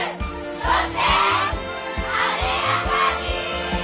そして艶やかに！